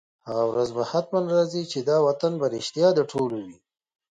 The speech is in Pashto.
هغه ورځ به حتماً راځي، چي دا وطن به رشتیا د ټولو وي